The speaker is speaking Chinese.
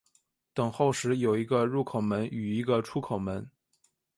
等候室有一个入口门与一个出口门。